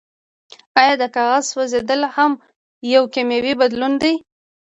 ایا د کاغذ سوځیدل هم یو کیمیاوي بدلون دی